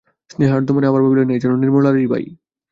স্নেহার্দ্র মনে আবার ভাবিলেন, এ যেন নির্মলারই ভাই।